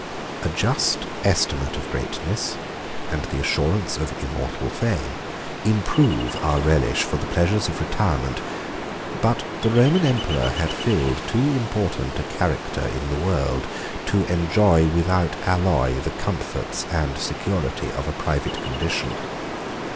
113 A just estimate of greatness, and the assurance of immortal fame, improve our relish for the pleasures of retirement; but the Roman emperor had filled too important a character in the world, to enjoy without alloy the comforts and security of a private condition.